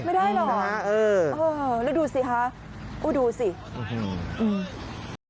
ไม่ได้เหรอแล้วดูสิค่ะอุ๊ยดูสิอืม